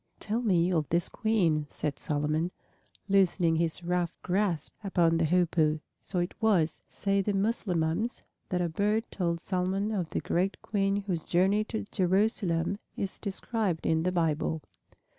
"Tell me of this Queen," said Solomon, loosening his rough grasp upon the Hoopoe. So it was, say the Mussulmans, that a bird told Solomon of the great Queen whose journey to Jerusalem is described in the Bible.